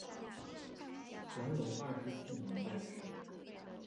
乾隆二十四年办事。